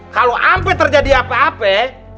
kalau sampai terjadi apa apa